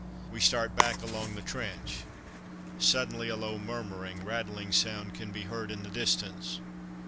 We start back along the trench. Suddenly a low murmuring, rattling sound can be heard in the distance.